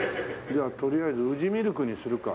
じゃあとりあえず宇治ミルクにするか。